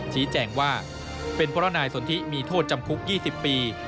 ชี้แจงว่าเป็นเพราะนายสนทิมีโทษจำคุก๒๐ปี